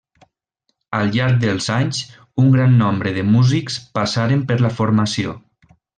Al llarg dels anys, un gran nombre de músics passaren per la formació.